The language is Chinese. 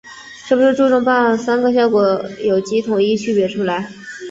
是不是注重办案‘三个效果’有机统一区别出来